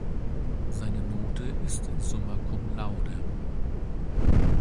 Seine Note ist Summa cum laude.